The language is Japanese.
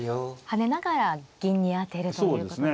跳ねながら銀に当てるということですね。